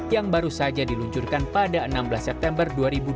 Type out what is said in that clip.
yang baru saja diluncurkan pada enam belas september dua ribu dua puluh